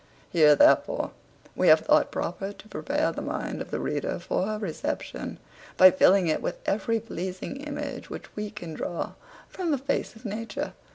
Here, therefore, we have thought proper to prepare the mind of the reader for her reception, by filling it with every pleasing image which we can draw from the face of nature.